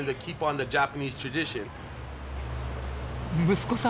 息子さん